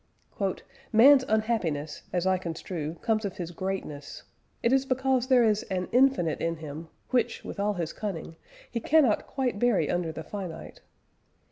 "Man's Unhappiness, as I construe, comes of his Greatness; it is because there is an infinite in him, which, with all his cunning, he cannot quite bury under the Finite.